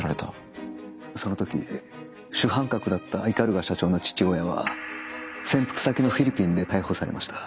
その時主犯格だった鵤社長の父親は潜伏先のフィリピンで逮捕されました。